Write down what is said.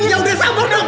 yaudah sabar dong